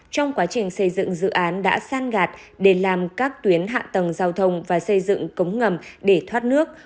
trong quá trình xây dựng dự án đã san gạt để làm các tuyến hạ tầng giao thông và xây dựng cống ngầm để thoát nước